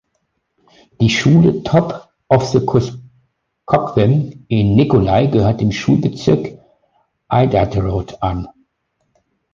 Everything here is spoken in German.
Die Schule Top of the Kuskokwim in Nikolai gehört dem Schulbezirk Iditarod an.